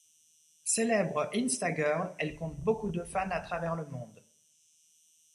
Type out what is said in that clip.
Célèbre instagirl, elle compte beaucoup de fans à travers le monde.